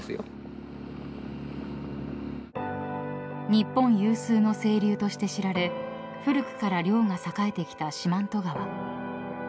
［日本有数の清流として知られ古くから漁が栄えてきた四万十川］